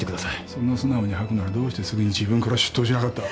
そんな素直に吐くならどうしてすぐに自分から出頭しなかった？